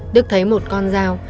đức thấy một con dao